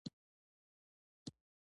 اذان ته غوږ نیول واجب دی.